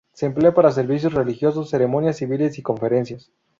Se emplea para servicios religiosos, ceremonias civiles y conferencias.